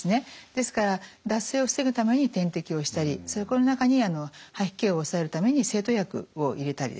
ですから脱水を防ぐために点滴をしたりそこの中に吐き気を抑えるために制吐薬を入れたりですね